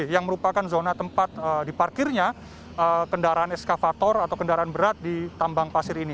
yang merupakan zona tempat diparkirnya kendaraan eskavator atau kendaraan berat di tambang pasir ini